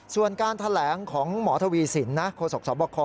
ส่วนการแถลงของหมอทวีสินนะโฆษกสบค